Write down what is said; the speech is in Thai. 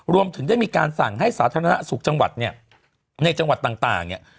รวมถึงได้มีการสั่งให้สาธารณสุขจังหวัดเนี่ยในจังหวัดต่างเนี่ย